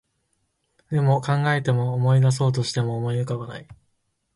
でも、考えても、思い出そうとしても、何も思い浮かばない